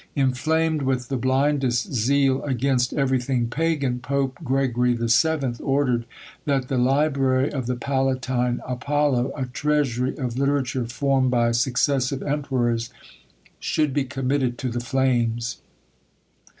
Inflamed with the blindest zeal against everything pagan, Pope Gregory VII. ordered that the library of the Palatine Apollo, a treasury of literature formed by successive emperors, should be committed to the flames!